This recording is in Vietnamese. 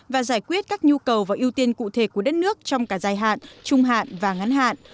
và giải quyết các nhu cầu và ưu tiên cụ thể của đất nước trong cả dài hạn trung hạn và ngắn hạn